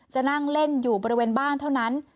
จะนั่งเล่นอยู่บริเวณบ้านเท่านั้น